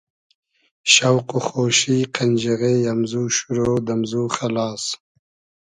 شۆق و خۉشی قئنجیغې امزو شورۉ, دئمزو خئلاس